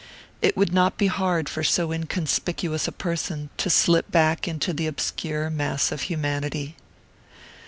It would not be hard for so inconspicuous a person to slip back into the obscure mass of humanity.